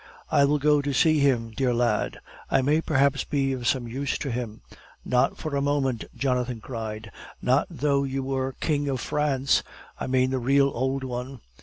I will go to see him, dear lad; I may perhaps be of some use to him." "Not for a moment!" Jonathan cried. "Not though you were King of France I mean the real old one.